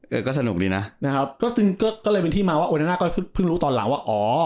เออก็สนุกดีนะนะครับก็ซึ่งก็เลยเป็นที่มาว่าโอนาก็เพิ่งรู้ตอนหลังว่าอ๋อ